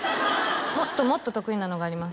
もっともっと得意なのがあります